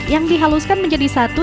yang dihaluskan menjadi satu